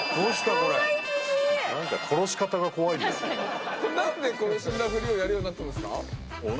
これ何で死んだフリをやるようになったんですか？